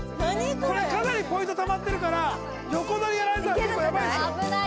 これかなりポイントたまってるから横取りやられたら結構やばいですいけるんじゃない？